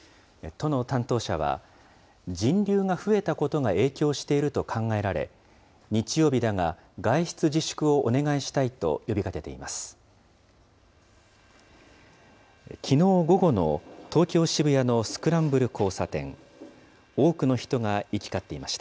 都の担当者は、人流が増えたことが影響していると考えられ、日曜日だが、外出自粛をお願いしたいと呼びかけています。